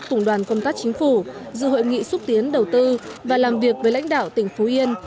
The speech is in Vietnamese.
đã kết thúc công tác chính phủ dự hội nghị xúc tiến đầu tư và làm việc với lãnh đạo tỉnh phú yên